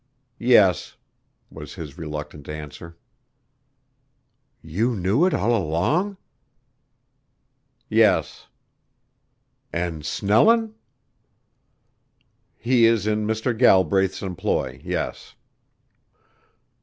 "Yes," was his reluctant answer. "You knew it all along?" "Yes." "An' Snellin'?" "He is in Mr. Galbraith's employ, yes."